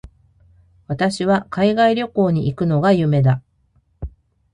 私は海外旅行に行くのが夢だ。